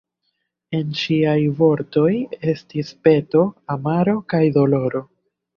En ŝiaj vortoj estis peto, amaro kaj doloro.